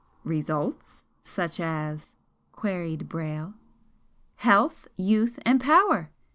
"Results? Such as ?" queried Brayle. "Health, youth and power!"